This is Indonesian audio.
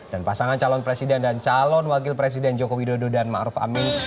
dan pasangan calon presiden dan calon wakil presiden jokowi dodo dan ma'ruf amin